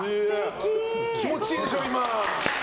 気持ちいいでしょ今！